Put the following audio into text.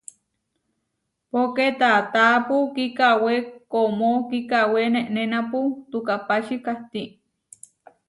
Poké taatápu kikawé kómo kikawé nenénapu, tukápači kahtí.